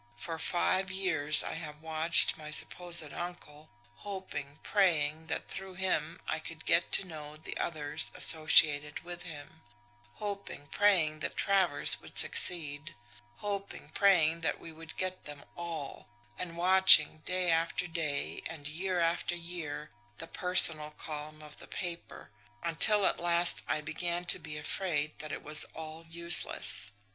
For five years I have watched my supposed uncle, hoping, praying that through him I could get to know the others associated with him; hoping, praying that Travers would succeed; hoping, praying that we would get them all and watching day after day, and year after year the 'personal' column of the paper, until at last I began to be afraid that it was all useless.